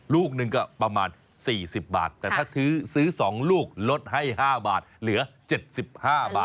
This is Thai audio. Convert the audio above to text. ลูกหนึ่งก็ประมาณ๔๐บาทแต่ถ้าซื้อ๒ลูกลดให้๕บาทเหลือ๗๕บาท